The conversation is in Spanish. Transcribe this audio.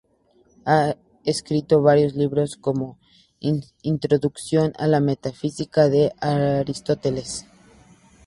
Ha escrito varios libros, como "Introducción a la metafísica de Aristóteles.